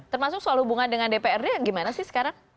termasuk soal hubungan dengan dprd gimana sih sekarang